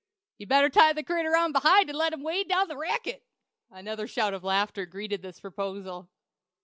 "You'd better tie the critter on behind an' let him wade down the Racket!" Another shout of laughter greeted this proposal.